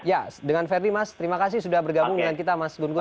ya dengan ferdi mas terima kasih sudah bergabung dengan kita mas gun gun